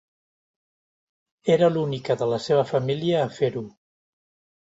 Era l'única de la seva família a fer-ho.